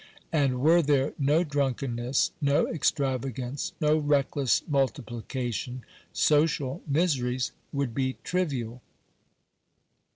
And were there no drunken ness, no extravagance, no reckless multiplication, social miseries would be trivial.